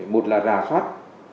một là rà soát